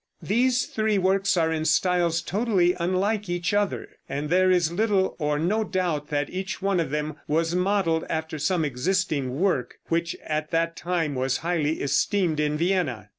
These three works are in styles totally unlike each other, and there is little or no doubt that each one of them was modeled after some existing work, which at that time was highly esteemed in Vienna.